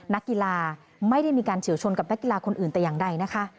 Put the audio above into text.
นักกีฬาไม่ได้มีการเฉียวชนกับนักกีฬาคนอื่นแต่อย่างใดนะคะ